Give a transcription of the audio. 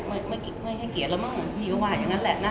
โอ้โหเรียกว่ามากค่ะไม่ให้เกียรติแล้วมั้งพี่ก็ว่าอย่างนั้นแหละนะ